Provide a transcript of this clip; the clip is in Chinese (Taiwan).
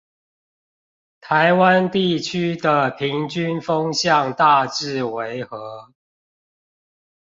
台灣地區的平均風向大致為何？